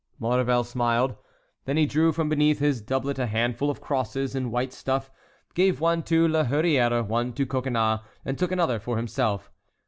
Maurevel smiled. Then he drew from beneath his doublet a handful of crosses in white stuff, gave one to La Hurière, one to Coconnas, and took another for himself.